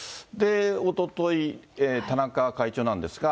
おととい、田中会長なんですが。